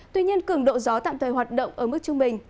tuy nhiên cường độ gió tạm thời hoạt động ở mức trung bình